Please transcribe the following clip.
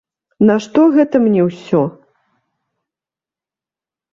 Нашто гэта мне ўсё?